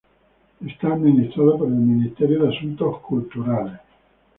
Es administrado por el Ministerio de Asuntos Culturales.